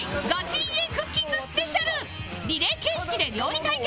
リレー形式で料理対決